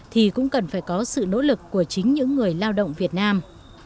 thì cũng cần phải có sự nỗ lực của chính những người lao động việt nam